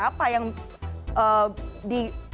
apa yang di